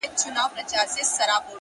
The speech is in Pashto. • راسه چي الهام مي د زړه ور مات كـړ ـ